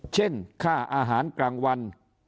เช่นค่าอาหารกลางวัน